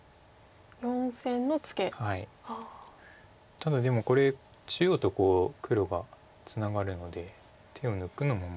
ただでもこれ中央と黒がツナがるので手を抜くのも。